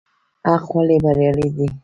حق ولې بريالی دی؟